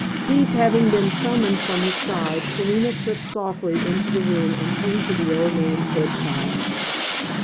Keith having been summoned from his side, Serena slipped softly into the room, and came to the old man's bedside.